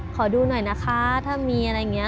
ขอดูหน่อยนะคะถ้ามีอะไรอย่างนี้